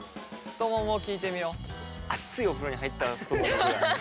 熱いお風呂に入ったらふとももぐらい。